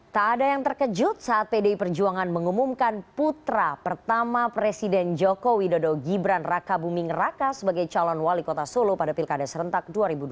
tak ada yang terkejut saat pdi perjuangan mengumumkan putra pertama presiden joko widodo gibran raka buming raka sebagai calon wali kota solo pada pilkada serentak dua ribu dua puluh